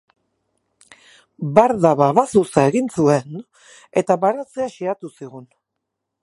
Barda babazuza egin zuen eta baratzea xehatu zigun.